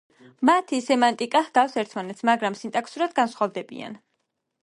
მათი სემანტიკა ჰგავს ერთმანეთს, მაგრამ სინტაქსურად განსხვავდებიან.